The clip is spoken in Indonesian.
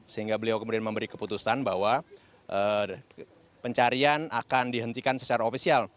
sehingga beliau kemudian memberi keputusan bahwa pencarian akan dihentikan secara ofisial